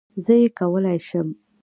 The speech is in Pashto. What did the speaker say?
زه یې کولای شم